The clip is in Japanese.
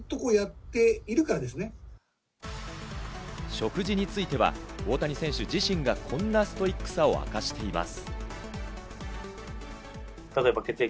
食事については大谷選手自身がこんなストイックさを明かしています。